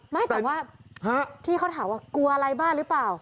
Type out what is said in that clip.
ไม่แต่ว่าที่เขาถามว่ากลัวอะไรบ้างหรือเปล่า